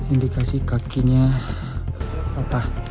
indikasi kakinya patah